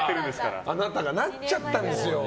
あなたがなっちゃったんですよ。